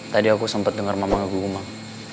tadi aku sempet dengar mama ngeguh gumam